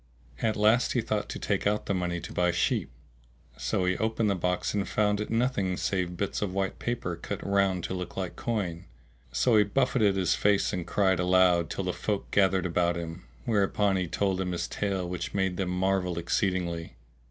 At last he thought to take out the money to buy sheep; so he opened the box and found in it nothing, save bits of white paper cut round to look like coin;[FN#656] so he buffeted his face and cried aloud till the folk gathered about him, whereupon he told them his tale which made them marvel exceedingly.